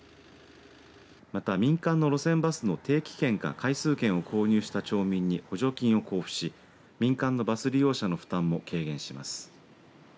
また、民間の路線バスの定期券や回数券を購入した町民に補助金を交付し民間のバス利用者の負担も軽減します。